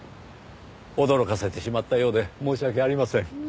驚かせてしまったようで申し訳ありません。